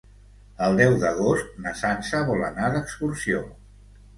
El deu d'agost na Sança vol anar d'excursió.